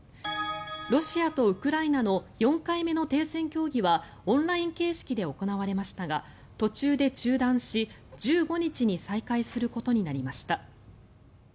ロシアとウクライナの４回目の停戦協議はオンライン形式で行われましたが途中で中断し１５日に再開することになりました。